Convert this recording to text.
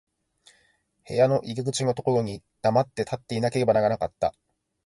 部屋の入口のところに黙って立っていなければならなかった。